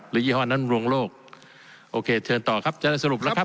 ยี่ห้อนั้นรวงโลกโอเคเชิญต่อครับจะได้สรุปแล้วครับ